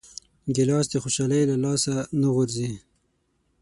ګیلاس د خوشحالۍ له لاسه نه غورځي.